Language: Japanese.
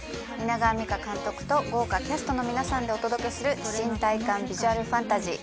蜷川実花監督と豪華キャストの皆さんでお届けする新体感ビジュアルファンタジー。